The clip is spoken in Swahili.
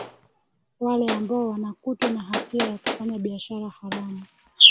wale ambao wanakutwa na hatia ya kufanya biashara haramu